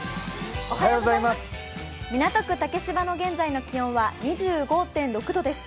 港区竹芝の現在の気温は２５．６度です。